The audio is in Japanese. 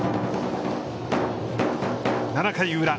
７回裏。